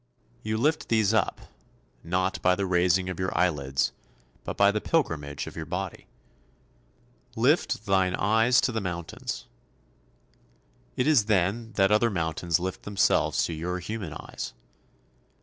You lift these up, not by the raising of your eyelids, but by the pilgrimage of your body. "Lift thine eyes to the mountains." It is then that other mountains lift themselves to your human eyes.